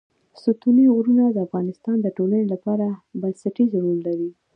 ستوني غرونه د افغانستان د ټولنې لپاره بنسټيز رول لري.